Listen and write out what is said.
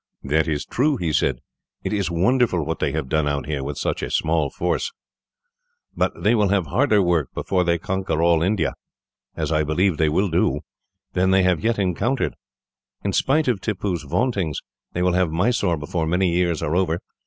"That is true," he said. "It is wonderful what they have done out here, with such small forces. But they will have harder work, before they conquer all India as I believe they will do than they have yet encountered. In spite of Tippoo's vauntings, they will have Mysore before many years are over.